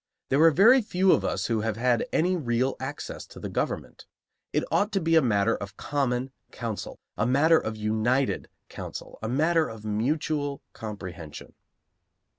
There are very few of us who have had any real access to the government. It ought to be a matter of common counsel; a matter of united counsel; a matter of mutual comprehension.